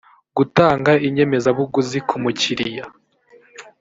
gutanga inyemezabuguzi ku mukiriya